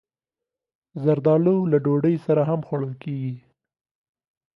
زردالو له ډوډۍ سره هم خوړل کېږي.